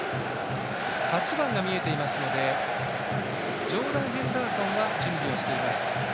８番が見えていますのでジョーダン・ヘンダーソンは準備をしています。